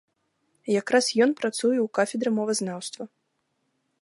Якраз ён працуе ў кафедры мовазнаўства.